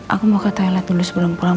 aku mau ke toilet dulu sebelum pulang